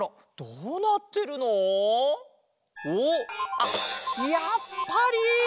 あっやっぱり！